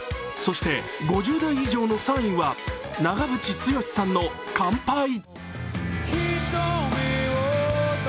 そして５０代以上の３位は長渕剛さんの「乾杯」。